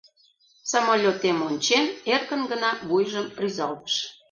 Самолётем ончен, эркын гына вуйжым рӱзалтыш: